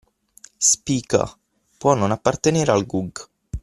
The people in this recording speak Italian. Speaker: (può non appartenere al GUG)